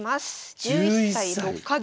１１歳６か月。